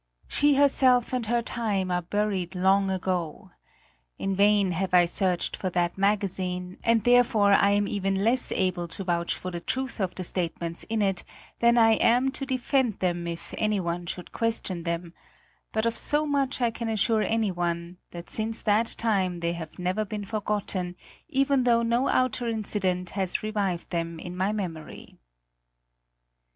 She herself and her time are buried long ago. In vain have I searched for that magazine, and therefore I am even less able to vouch for the truth of the statements in it than I am to defend them if anyone should question them; but of so much I can assure anyone, that since that time they have never been forgotten, even though no outer incident has revived them in my memory.